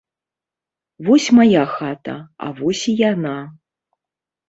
Вось мая хата, а вось і яна.